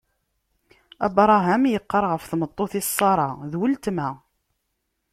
Abṛaham iqqar ɣef tmeṭṭut-is Ṣara: D weltma.